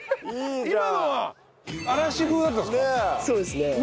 そうですね。